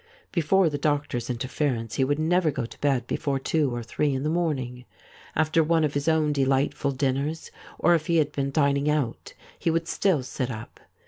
Before the doctor's interference he would never go to bed before two or three in the morning. After one of his own delightful dinners, or if he had been dining out, he would still sit up.